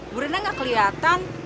bu rena gak keliatan